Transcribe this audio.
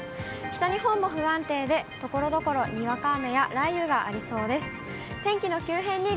北日本も不安定で、ところどころ、にわか雨や雷雨がありそうです。